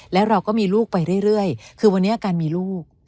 และเราก็มีลูกไปเรื่อยเรื่อยคือวันนี้กันมีลูก